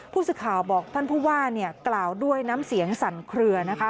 ผู้สื่อข่าวบอกท่านผู้ว่าเนี่ยกล่าวด้วยน้ำเสียงสั่นเคลือนะคะ